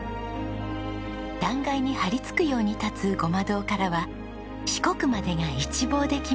断崖に張り付くように立つ護摩堂からは四国までが一望できます。